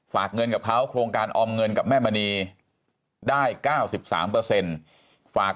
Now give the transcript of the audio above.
ฝากเงินกับเขาโครงการออมเงินกับแม่มณีได้๙๓เปอร์เซ็นต์ฝาก